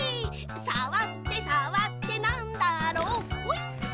「さわってさわってなんだろう」ほい！